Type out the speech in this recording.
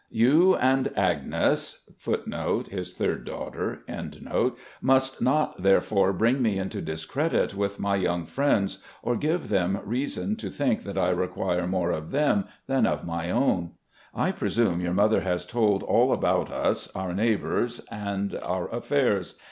You and Agnes * must not, therefore, bring me into discredit with my yotmg friends, or give them reason to think that I require more of them than of my own. I presume your mother has told all about us, our neighbours and our affairs.